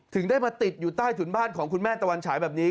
ถึงได้มาติดอยู่ใต้ถุนบ้านของคุณแม่ตะวันฉายแบบนี้